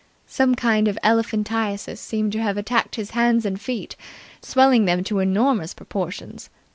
Some kind of elephantiasis seemed to have attacked his hands and feet, swelling them to enormous proportions.